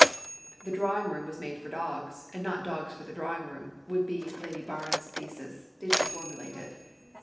'The drawing room was made for dogs, and not dogs for the drawing room,' would be Lady Barnes's thesis, did she formulate it.